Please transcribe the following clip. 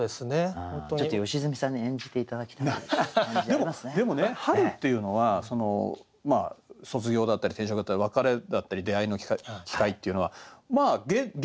でもでもね春っていうのは卒業だったり転職だったり別れだったり出会いの機会っていうのはまあ現代じゃない？